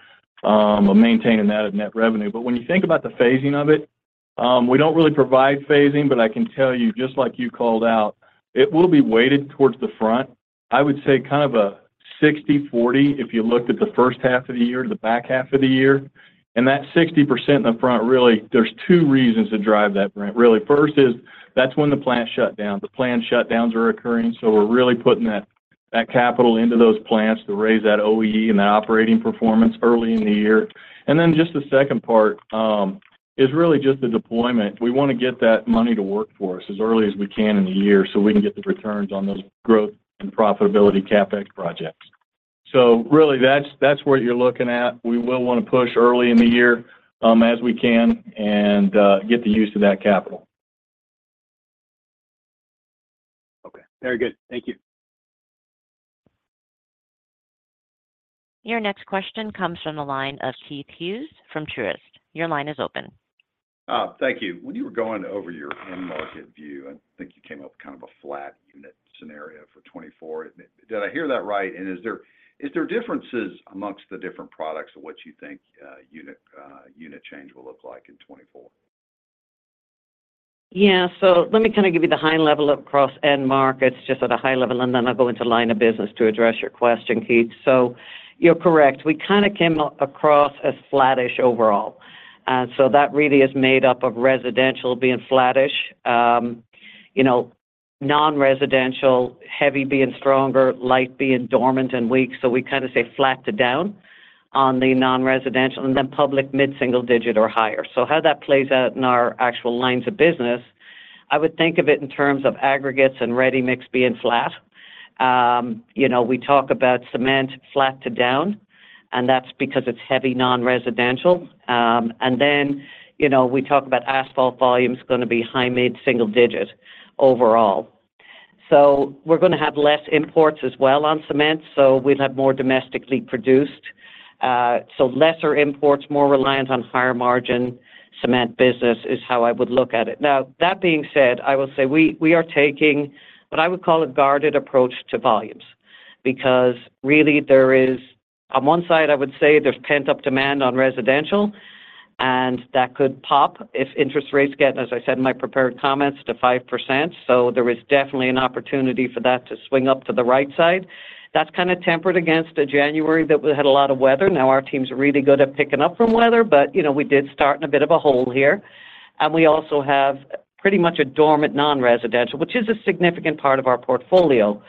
of maintaining that at net revenue. But when you think about the phasing of it, we don't really provide phasing. But I can tell you, just like you called out, it will be weighted towards the front. I would say kind of a 60/40 if you looked at the first half of the year to the back half of the year. And that 60% in the front, really, there's two reasons to drive that, Brent, really. First is that's when the plant shut down. The plant shutdowns are occurring. So we're really putting that capital into those plants to raise that OEE and that operating performance early in the year. And then just the second part is really just the deployment. We want to get that money to work for us as early as we can in the year so we can get the returns on those growth and profitability CapEx projects. So really, that's what you're looking at. We will want to push early in the year as we can and get the use of that capital. Okay. Very good. Thank you. Your next question comes from the line of Keith Hughes from Truist. Your line is open. Thank you. When you were going over your end-market view, I think you came up with kind of a flat unit scenario for 2024. Did I hear that right? And is there differences amongst the different products of what you think unit change will look like in 2024? Yeah. So let me kind of give you the high level across end markets just at a high level, and then I'll go into line of business to address your question, Keith. So you're correct. We kind of came across as flat-ish overall. So that really is made up of residential being flat-ish, non-residential heavy being stronger, light being dormant and weak. So we kind of say flat to down on the non-residential, and then public mid-single digit or higher. So how that plays out in our actual lines of business, I would think of it in terms of aggregates and ready mix being flat. We talk about cement flat to down, and that's because it's heavy non-residential. And then we talk about asphalt volume's going to be high mid-single digit overall. So we're going to have less imports as well on cement, so we'll have more domestically produced. So lesser imports, more reliant on higher margin cement business is how I would look at it. Now, that being said, I will say we are taking what I would call a guarded approach to volumes because really, on one side, I would say there's pent-up demand on residential, and that could pop if interest rates get, as I said in my prepared comments, to 5%. So there is definitely an opportunity for that to swing up to the right side. That's kind of tempered against a January that had a lot of weather. Now, our team's really good at picking up from weather, but we did start in a bit of a hole here. And we also have pretty much a dormant non-residential, which is a significant part of our portfolio.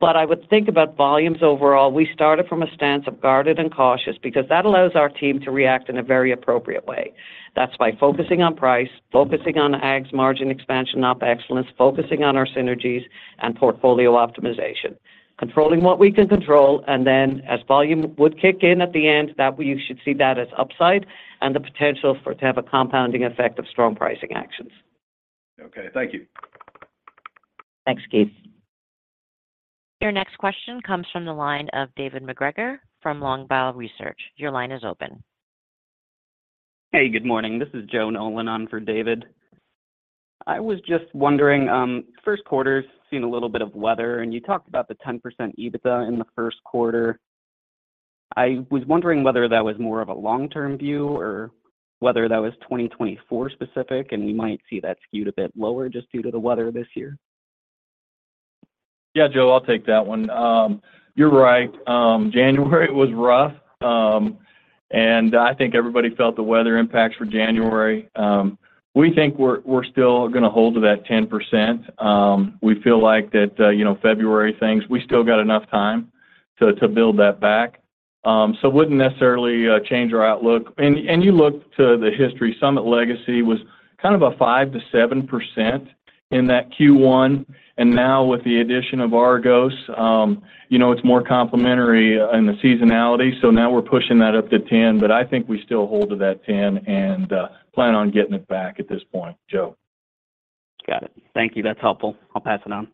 But I would think about volumes overall, we started from a stance of guarded and cautious because that allows our team to react in a very appropriate way. That's by focusing on price, focusing on ags margin expansion OPEX excellence, focusing on our synergies, and portfolio optimization, controlling what we can control. And then as volume would kick in at the end, you should see that as upside and the potential to have a compounding effect of strong pricing actions. Okay. Thank you. Thanks, Keith. Your next question comes from the line of David MacGregor from Longbow Research. Your line is open. Hey, good morning. This is Joe Nolan for David. I was just wondering, first quarter's seen a little bit of weather, and you talked about the 10% EBITDA in the first quarter. I was wondering whether that was more of a long-term view or whether that was 2024 specific, and we might see that skewed a bit lower just due to the weather this year. Yeah, Joe, I'll take that one. You're right. January was rough, and I think everybody felt the weather impacts for January. We think we're still going to hold to that 10%. We feel like that February things, we still got enough time to build that back. So it wouldn't necessarily change our outlook. And you looked to the history. Summit legacy was kind of a 5%-7% in that Q1. And now with the addition of Argos, it's more complementary in the seasonality. So now we're pushing that up to 10%, but I think we still hold to that 10% and plan on getting it back at this point, Joe. Got it. Thank you. That's helpful. I'll pass it on.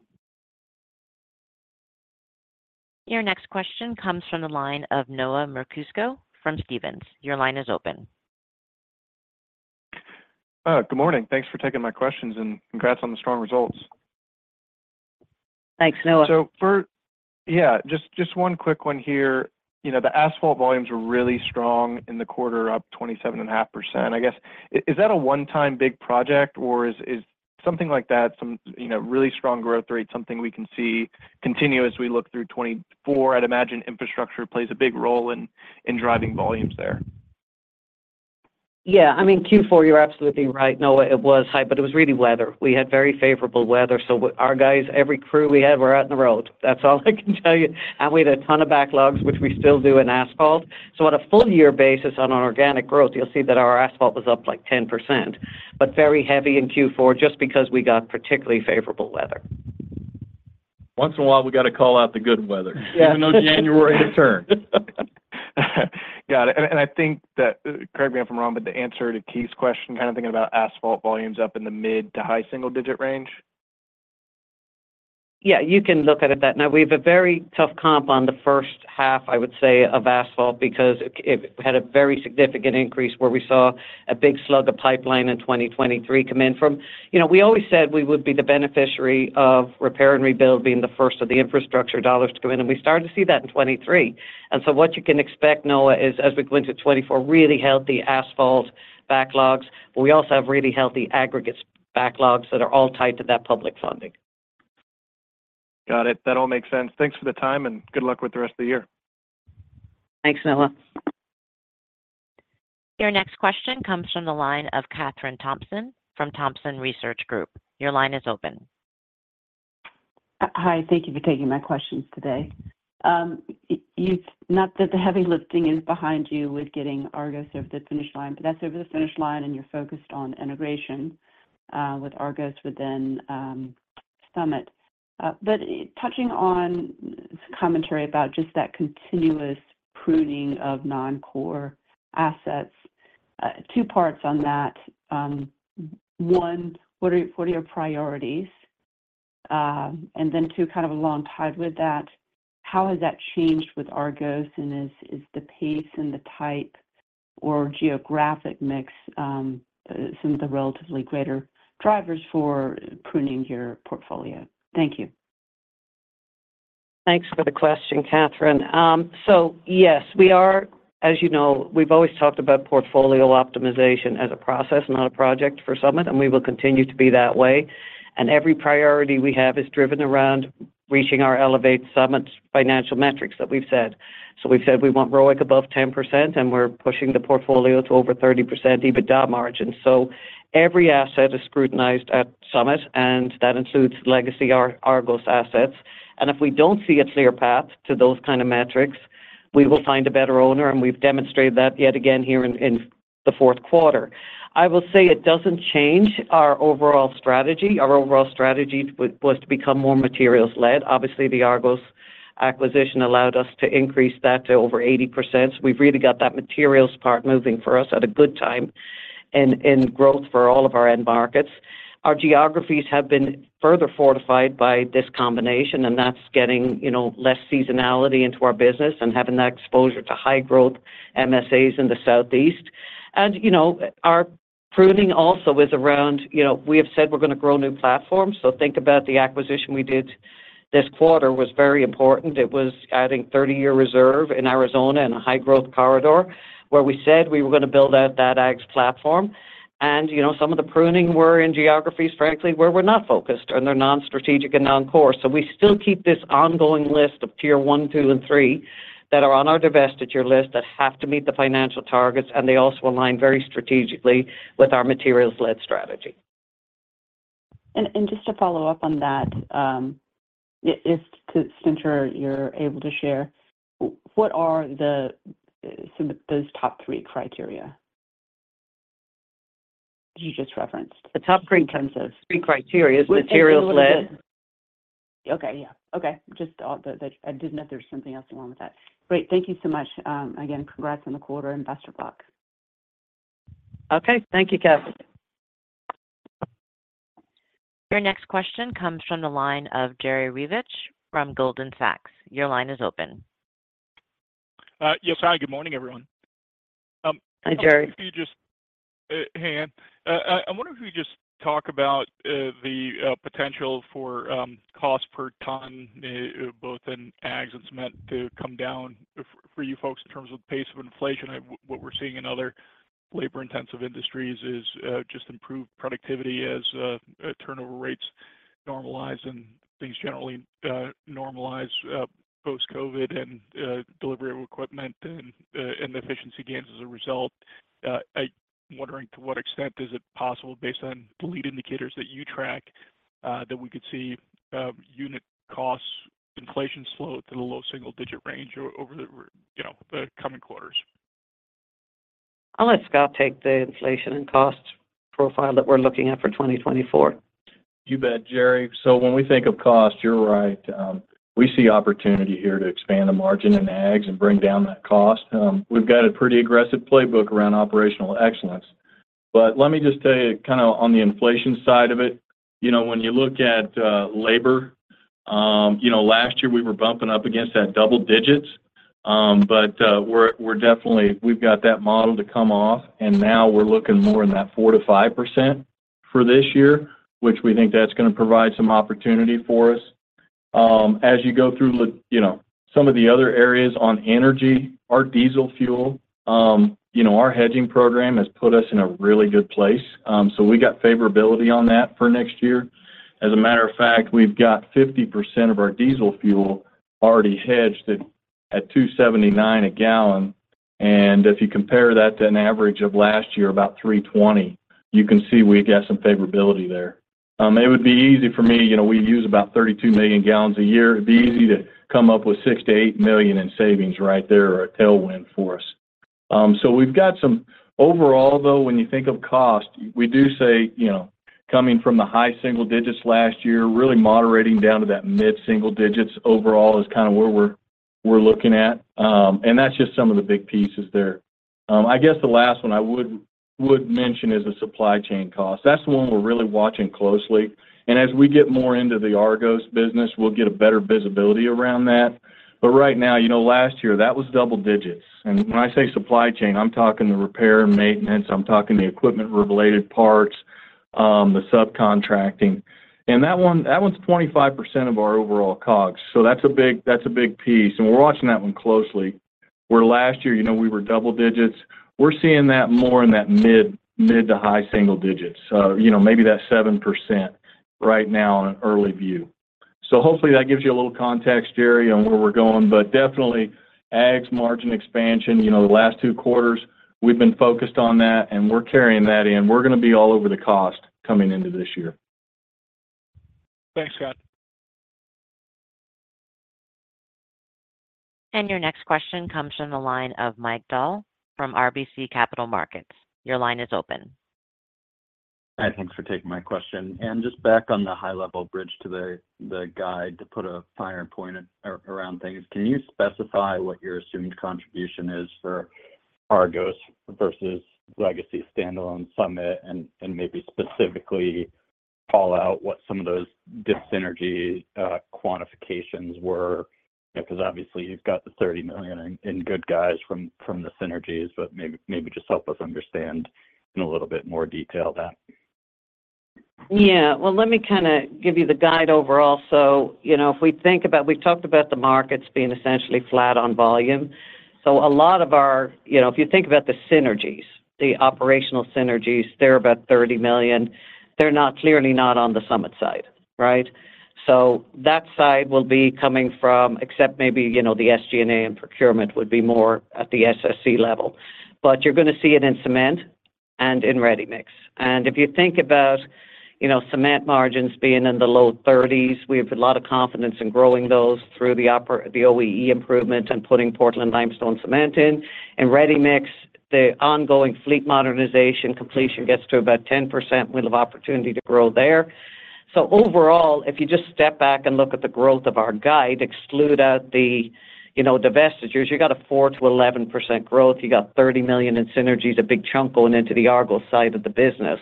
Your next question comes from the line of Noah Merkousko from Stephens. Your line is open. Good morning. Thanks for taking my questions, and congrats on the strong results. Thanks, Noah. So yeah, just one quick one here. The asphalt volumes were really strong in the quarter up 27.5%, I guess. Is that a one-time big project, or is something like that, some really strong growth rate, something we can see continue as we look through 2024? I'd imagine infrastructure plays a big role in driving volumes there. Yeah. I mean, Q4, you're absolutely right, Noah. It was high, but it was really weather. We had very favorable weather. So our guys, every crew we had, were out in the road. That's all I can tell you. And we had a ton of backlogs, which we still do in asphalt. So on a full-year basis on an organic growth, you'll see that our asphalt was up like 10%, but very heavy in Q4 just because we got particularly favorable weather. Once in a while, we got to call out the good weather, even though January returned. Got it. I think that, correct me if I'm wrong, but the answer to Keith's question, kind of thinking about asphalt volumes up in the mid to high single digit range. Yeah. You can look at it that way. Now, we have a very tough comp on the first half, I would say, of asphalt because it had a very significant increase where we saw a big slug of pipeline in 2023 come in from we always said we would be the beneficiary of repair and rebuild being the first of the infrastructure dollars to come in. And we started to see that in 2023. And so what you can expect, Noah, is as we go into 2024, really healthy asphalt backlogs, but we also have really healthy aggregates backlogs that are all tied to that public funding. Got it. That all makes sense. Thanks for the time, and good luck with the rest of the year. Thanks, Noah. Your next question comes from the line of Kathryn Thompson from Thompson Research Group. Your line is open. Hi. Thank you for taking my questions today. Now that the heavy lifting is behind you with getting Argos over the finish line, but that's over the finish line, and you're focused on integration with Argos within Summit. But touching on commentary about just that continuous pruning of non-core assets, two parts on that. One, what are your priorities? And then two, kind of alongside with that, how has that changed with Argos, and is the pace and the type or geographic mix some of the relatively greater drivers for pruning your portfolio? Thank you. Thanks for the question, Kathryn. So yes, we are, as you know, we've always talked about portfolio optimization as a process, not a project, for Summit, and we will continue to be that way. Every priority we have is driven around reaching our Elevate Summit financial metrics that we've set. So we've said we want ROIC above 10%, and we're pushing the portfolio to over 30% EBITDA margin. So every asset is scrutinized at Summit, and that includes legacy Argos assets. If we don't see a clear path to those kind of metrics, we will find a better owner. We've demonstrated that yet again here in the fourth quarter. I will say it doesn't change our overall strategy. Our overall strategy was to become more materials-led. Obviously, the Argos acquisition allowed us to increase that to over 80%. So we've really got that materials part moving for us at a good time in growth for all of our end markets. Our geographies have been further fortified by this combination, and that's getting less seasonality into our business and having that exposure to high-growth MSAs in the Southeast. Our pruning also is around we have said we're going to grow new platforms. Think about the acquisition we did this quarter was very important. It was adding 30-year reserve in Arizona and a high-growth corridor where we said we were going to build out that ags platform. Some of the pruning were in geographies, frankly, where we're not focused and they're non-strategic and non-core. We still keep this ongoing list of tier one, two, and three that are on our divestiture list that have to meet the financial targets, and they also align very strategically with our Materials-Led Strategy. Just to follow up on that, if you're able to share, what are those top three criteria that you just referenced in terms of? The top three criteria? Materials-led? Okay. Yeah. Okay. I didn't know if there was something else along with that. Great. Thank you so much. Again, congrats on the quarter and best of luck. Okay. Thank you, Kathryn. Your next question comes from the line of Jerry Revich from Goldman Sachs. Your line is open. Yes, hi. Good morning, everyone. Hi, Jerry. I wonder if you could just talk about the potential for cost per ton, both in ags and cement, to come down for you folks in terms of the pace of inflation. What we're seeing in other labor-intensive industries is just improved productivity as turnover rates normalize and things generally normalize post-COVID and delivery of equipment and efficiency gains as a result. I'm wondering to what extent is it possible, based on the lead indicators that you track, that we could see unit cost inflation slow to the low single digit range over the coming quarters? I'll let Scott take the inflation and cost profile that we're looking at for 2024. You bet, Jerry. So when we think of cost, you're right. We see opportunity here to expand the margin in ags and bring down that cost. We've got a pretty aggressive playbook around operational excellence. But let me just tell you kind of on the inflation side of it, when you look at labor, last year, we were bumping up against that double digits. But we've got that model to come off, and now we're looking more in that 4%-5% for this year, which we think that's going to provide some opportunity for us. As you go through some of the other areas on energy, our diesel fuel, our hedging program has put us in a really good place. So we got favorability on that for next year. As a matter of fact, we've got 50% of our diesel fuel already hedged at $2.79 a gallon. And if you compare that to an average of last year, about 320, you can see we got some favorability there. It would be easy for me. We use about 32 million gal a year. It'd be easy to come up with $6 million-$8 million in savings right there or a tailwind for us. So we've got some overall, though, when you think of cost, we do say coming from the high single digits% last year, really moderating down to that mid-single digits% overall is kind of where we're looking at. And that's just some of the big pieces there. I guess the last one I would mention is the supply chain cost. That's the one we're really watching closely. And as we get more into the Argos business, we'll get a better visibility around that. But right now, last year, that was double digits%. When I say supply chain, I'm talking the repair and maintenance. I'm talking the equipment-related parts, the subcontracting. And that one's 25% of our overall COGS. So that's a big piece. And we're watching that one closely. Where last year, we were double digits, we're seeing that more in that mid to high single digits, maybe that 7% right now on an early view. So hopefully, that gives you a little context, Jerry, on where we're going. But definitely, ags margin expansion, the last two quarters, we've been focused on that, and we're carrying that in. We're going to be all over the cost coming into this year. Thanks, Scott. Your next question comes from the line of Mike Dahl from RBC Capital Markets. Your line is open. Hi. Thanks for taking my question. Anne, just back on the high-level bridge to the guide to put a finer point around things, can you specify what your assumed contribution is for Argos versus legacy standalone Summit and maybe specifically call out what some of those synergy quantifications were? Because obviously, you've got the $30 million in goodies from the synergies, but maybe just help us understand in a little bit more detail that. Yeah. Well, let me kind of give you the guide overall. So if we think about, we've talked about the markets being essentially flat on volume. So a lot of our, if you think about the synergies, the operational synergies, they're about $30 million. They're clearly not on the Summit side, right? So that side will be coming from, except maybe the SG&A and procurement would be more at the SSC level. But you're going to see it in cement and in ready mix. And if you think about cement margins being in the low 30s%, we have a lot of confidence in growing those through the OEE improvement and putting Portland limestone cement in. In ready mix, the ongoing fleet modernization completion gets to about 10%. We'll have opportunity to grow there. So overall, if you just step back and look at the growth of our guide, exclude out the divestitures, you got a 4%-11% growth. You got $30 million in synergies, a big chunk going into the Argos side of the business,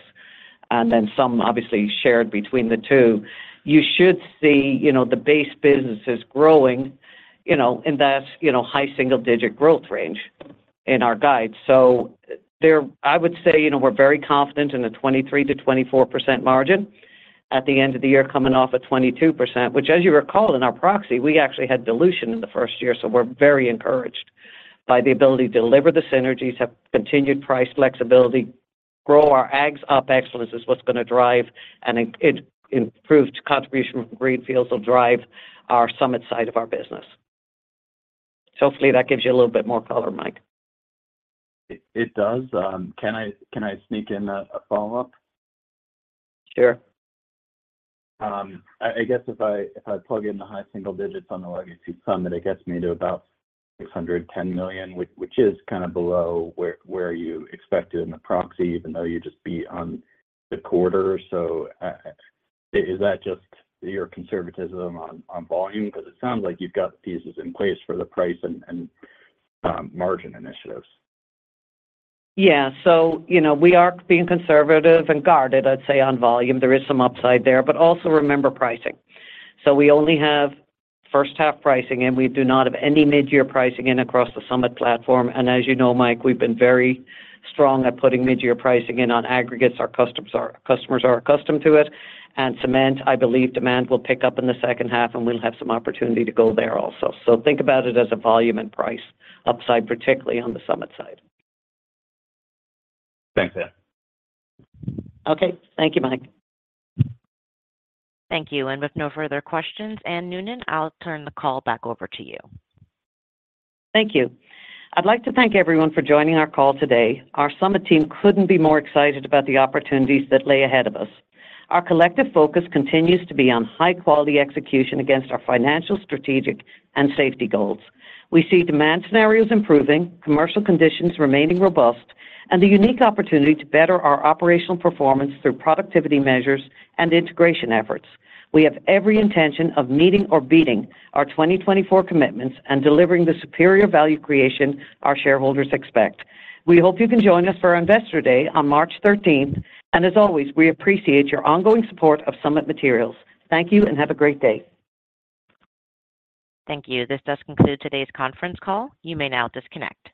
and then some, obviously, shared between the two. You should see the base businesses growing in that high single digit growth range in our guide. So I would say we're very confident in the 23%-24% margin at the end of the year coming off of 22%, which, as you recall, in our proxy, we actually had dilution in the first year. So we're very encouraged by the ability to deliver the synergies, have continued price flexibility, grow our ags. OPEX is what's going to drive, and improved contribution from green fuels will drive our Summit side of our business. Hopefully, that gives you a little bit more color, Mike. It does. Can I sneak in a follow-up? Sure. I guess if I plug in the high single digits on the legacy Summit, it gets me to about $610 million, which is kind of below where you expect it in the proxy, even though you just beat on the quarter. So is that just your conservatism on volume? Because it sounds like you've got pieces in place for the price and margin initiatives. Yeah. So we are being conservative and guarded, I'd say, on volume. There is some upside there, but also remember pricing. So we only have first-half pricing, and we do not have any mid-year pricing in across the Summit platform. And as you know, Mike, we've been very strong at putting mid-year pricing in on aggregates. Our customers are accustomed to it. And cement, I believe demand will pick up in the second half, and we'll have some opportunity to go there also. So think about it as a volume and price upside, particularly on the Summit side. Thanks, Anne. Okay. Thank you, Mike. Thank you. With no further questions, Anne Noonan, I'll turn the call back over to you. Thank you. I'd like to thank everyone for joining our call today. Our Summit team couldn't be more excited about the opportunities that lay ahead of us. Our collective focus continues to be on high-quality execution against our financial, strategic, and safety goals. We see demand scenarios improving, commercial conditions remaining robust, and the unique opportunity to better our operational performance through productivity measures and integration efforts. We have every intention of meeting or beating our 2024 commitments and delivering the superior value creation our shareholders expect. We hope you can join us for our investor day on March 13th. And as always, we appreciate your ongoing support of Summit Materials. Thank you, and have a great day. Thank you. This does conclude today's conference call. You may now disconnect.